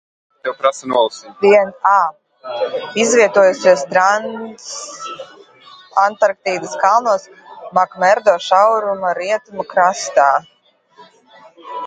Izvietojusies Transantarktīdas kalnos Makmerdo šauruma rietumu krastā.